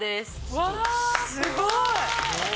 うわすごい。